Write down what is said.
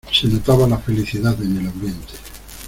Se notaba la felicidad en el ambiente.